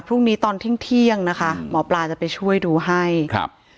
พรุ่งนี้ตอนเที่ยงเที่ยงนะคะหมอปลาจะไปช่วยดูให้ครับ